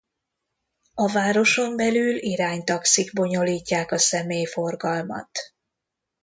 A városon belül iránytaxik bonyolítják a személyforgalmat.